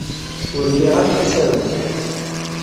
Ur liɣ ara tasarut.